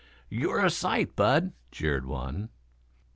"You're a sight, Bud," jeered one.